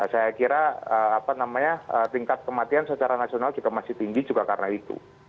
saya kira tingkat kematian secara nasional juga masih tinggi juga karena itu